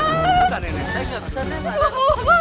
udah kan ini saya gak kesan kesan